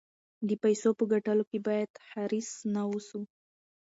د پیسو په ګټلو کې باید حریص نه اوسو.